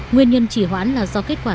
nguyên nhân chỉ hoãn là do kết quả